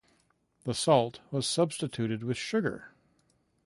The salt was substituted with sugar.